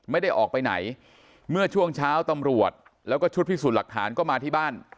ไม่ได้ออกไปไหนเมื่อช่วงเช้าตำรวจแล้วก็ชุดพิสูจน์หลักฐานก็มาที่บ้าน